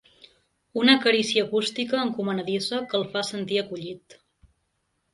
Una carícia acústica encomanadissa que el fa sentir acollit.